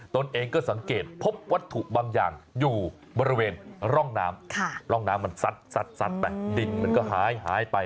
ตนเองก็สังเกตพบวัตถุบางอย่างอยู่บริเวณร่องน้ำร่องน้ำมันซัดไปดินมันก็หายไป